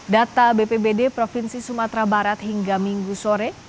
data bpbd provinsi sumatera barat hingga minggu sore